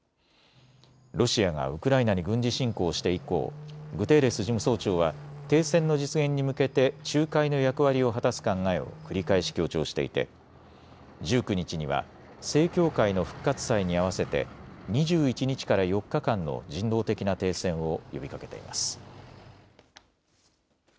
ロシアがウクライナに軍事侵攻して以降、グテーレス事務総長は停戦の実現に向けて仲介の役割を果たす考えを繰り返し強調していて１９日には正教会の復活祭に合わせて２１日から４日間の人道的な停戦を呼びかけています。